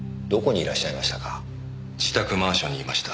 自宅マンションにいました。